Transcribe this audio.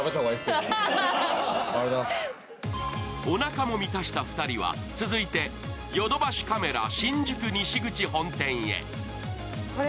おなかも満たした２人は、続いてヨドバシカメラ新宿西口本店へ。